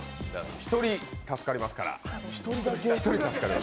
１人だけ助かりますから。